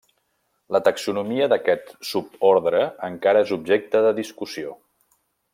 La taxonomia d'aquest subordre encara és objecte de discussió.